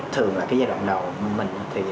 thường là cái giai đoạn đầu mình thì